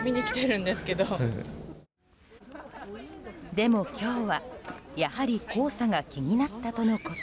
でも今日は、やはり黄砂が気になったとのこと。